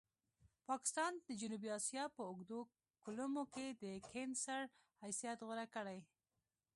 پاکستان د جنوبي اسیا په اوږدو کولمو کې د کېنسر حیثیت غوره کړی.